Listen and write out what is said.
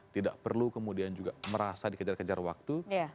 tidak perlu kemudian juga merasa dikejar kejar waktu